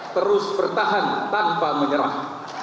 terus bertahan tanpa menyerah